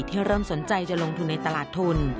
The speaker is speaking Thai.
เริ่มสนใจจะลงทุนในตลาดทุน